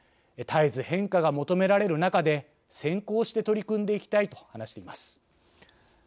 絶えず変化が求められる中で先行して取り組んでいきたい」と話しています。